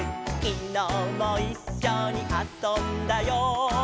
「きのうもいっしょにあそんだよ」